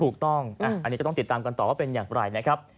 ถูกต้องอันนี้ก็ต้องติดตามกันต่อว่าเป็นอย่างไรนะครับ